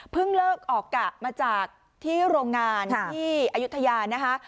เลิกออกกะมาจากที่โรงงานที่อายุทยานะคะ